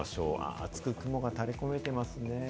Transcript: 厚く雲がたれ込めていますね。